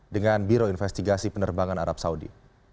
dengan biro investigasi penerbangan arab saudi